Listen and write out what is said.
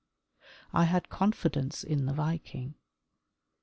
I had confidence in the Viking.